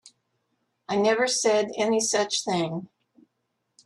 I never said any such thing.